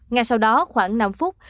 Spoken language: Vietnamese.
ngay sau đó khoảng năm phút